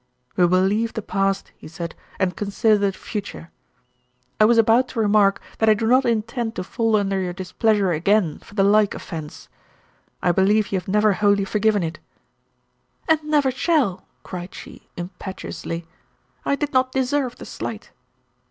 "We will leave the past," he said, "and consider the future. I was about to remark, that I do not intend to fall under your displeasure again for the like offense. I believe you have never wholly forgiven it." "And never shall," cried she, impetuously. "I did not deserve the slight."